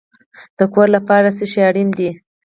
د کور لپاره څه شی اړین دی؟